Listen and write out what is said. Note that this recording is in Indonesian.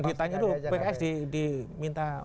ditanya dulu pks diminta